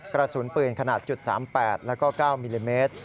กระสุนปืนขนาด๓๘แล้วก็๙มิลลิเมตร